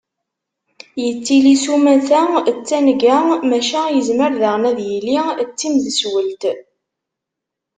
Yettili s umata, d tanga, maca yezmer daɣen ad yili d timdeswelt.